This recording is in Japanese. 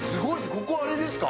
ここあれですか？